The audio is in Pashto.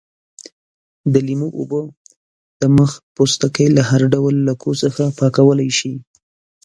د لیمو اوبه د مخ پوستکی له هر ډول لکو څخه پاکولای شي.